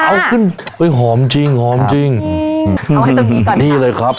เอาขึ้นเฮ้ยหอมจริงหอมจริงเอาไว้ตรงนี้ก่อนนี่เลยครับ